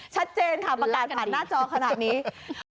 ชัดเจนค่ะประกาศผ่านหน้าจอขนาดนี้